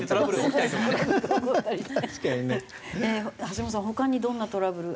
橋本さん他にどんなトラブル？